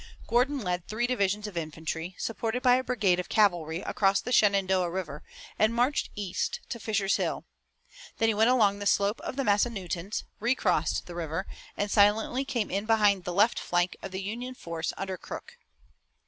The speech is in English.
Gordon led three divisions of infantry, supported by a brigade of cavalry across the Shenandoah River and marched east of Fisher's Hill. Then he went along the slope of the Massanuttons, recrossed the river, and silently came in behind the left flank of the Union force under Crook.